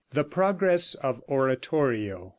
THE PROGRESS OF ORATORIO.